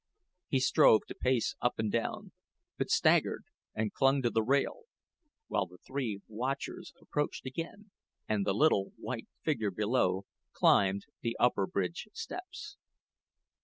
He strove to pace up and down, but staggered, and clung to the rail; while the three watchers approached again, and the little white figure below climbed the upper bridge steps.